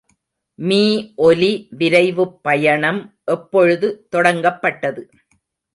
மீஒலி விரைவுப் பயணம் எப்பொழுது தொடங்கப்பட்டது?